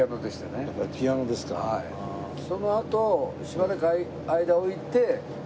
そのあとしばらく間置いて。